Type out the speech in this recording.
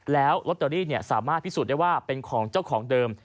แล้วลอตเตอรี่สามารถพิสูจน์ได้ว่าเป็นของเจ้าของเดิม